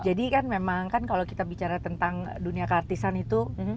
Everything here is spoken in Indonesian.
jadi kan memang kan kalau kita bicara tentang dunia keartisan itu